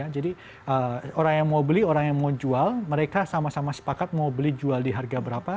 jadi orang yang mau beli orang yang mau jual mereka sama sama sepakat mau beli jual di harga berapa